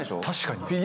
確かに！